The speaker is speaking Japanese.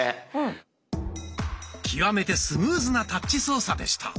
極めてスムーズなタッチ操作でした。